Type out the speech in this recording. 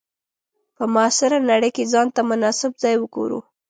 په معاصره نړۍ کې ځان ته مناسب ځای وګورو.